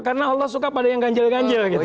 karena allah suka pada yang ganjil ganjil gitu